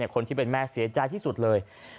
คนที่เป็นแม่เสียใจที่สุดเลย